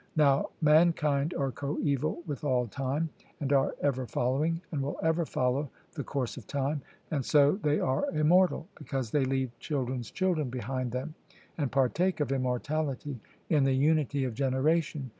Now mankind are coeval with all time, and are ever following, and will ever follow, the course of time; and so they are immortal, because they leave children's children behind them, and partake of immortality in the unity of generation.